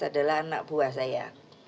adalah anak buah saya